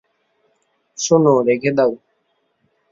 শোনো, রেখে দাও।